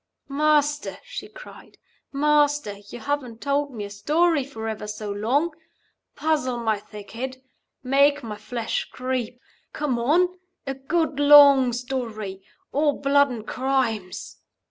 "Master!" she cried. "Master! You haven't told me a story for ever so long. Puzzle my thick head. Make my flesh creep. Come on. A good long story. All blood and crimes."